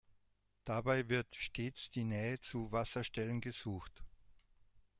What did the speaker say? Dabei wird stets die Nähe zu Wasserstellen gesucht.